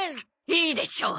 いいでしょう。